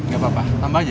gak apa apa tambah aja